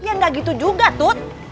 ya gak gitu juga tut